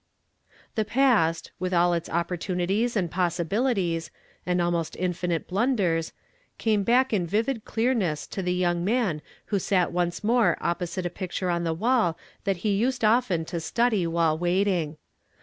The i)ast, with all its opportunities and possi ])ilities, and almost infinite blunders, came back in vivid clearness to the young man who sat once more opposite a picture on the wall that he used I *' HE THAT SOWKTIl INIQUITY." 107 often to study while waiting.